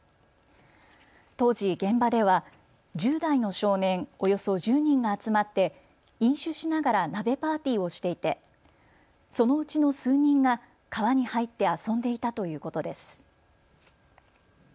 当時、現場では１０代の少年およそ１０人が集まって飲酒しながら鍋パーティーをしていてそのうちの数人が川に入って遊んでいたということです。